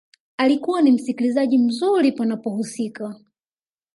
Alikuwa ni msikilizaji mzuri panapohusika